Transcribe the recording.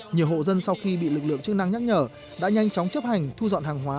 nhiều hộ dân sau khi bị lực lượng chức năng nhắc nhở đã nhanh chóng chấp hành thu dọn hàng hóa